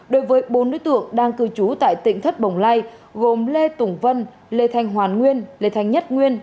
đối với bốn đối tượng đang cư trú tại tỉnh thất bồng lai gồm lê tùng vân lê thanh hoàn nguyên lê thanh nhất nguyên